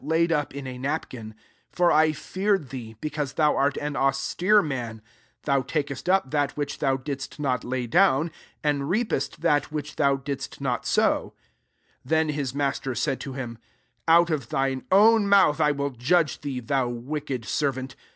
145 laid up in a napkin : 21 for I feared thee» because thou art an austere man: thou takest up that which tliou didst not lay down, and reapest that which thou didst not sow.' 22 "[7%en^ hia master said to him, * Out or thine own mouth I will judge thee, thou wicked servant.